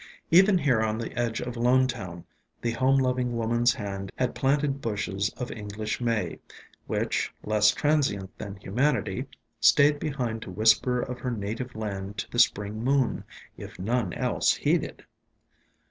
Even here on the edge of Lonetown the home loving woman's hand had planted bushes of English May, which, less transient than humanity, stayed behind to whisper of her native land to the spring moon, if none else heeded.